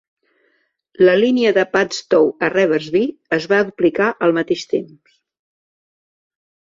La línia de Padstow a Revesby es va duplicar al mateix temps.